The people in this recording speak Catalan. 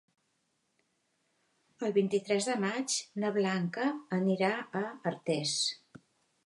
El vint-i-tres de maig na Blanca anirà a Artés.